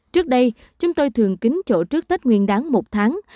trước đây chúng tôi thường kính chỗ trước tết nguyên đáng một tháng